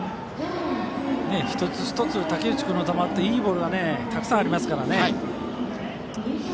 一つ一つ、武内君の球ってたくさんありますからね。